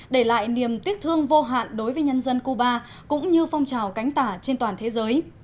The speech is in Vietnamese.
để lại niềm tiếc thương vô hạn đối với nhân dân cuba cũng như phong trào cánh tả trên toàn thế giới